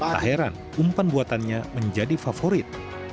tak heran umpan buatannya menjadi favorit